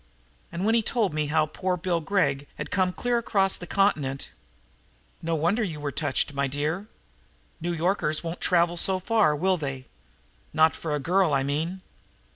"And, when he told me how poor Bill Gregg had come clear across the continent " "No wonder you were touched, my dear. New Yorkers won't travel so far, will they? Not for a girl, I mean."